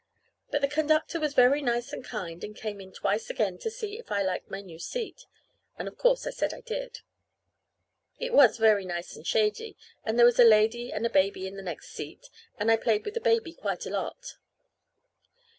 But the conductor was very nice and kind, and came in twice again to see if I liked my new seat; and of course I said I did. It was very nice and shady, and there was a lady and a baby in the next seat, and I played with the baby quite a lot.